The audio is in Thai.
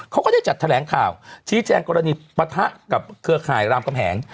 ก็ได้จัดแถลงข่าวชี้แจงกรณีปะทะกับเครือข่ายรามกำแหง